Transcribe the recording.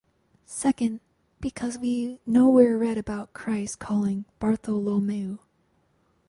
Second because we nowhere read about Christ calling Bartholomew.